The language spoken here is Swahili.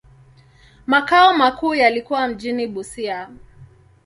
Makao makuu yalikuwa mjini Busia.